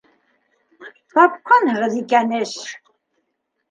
— Тапҡанһығыҙ икән эш!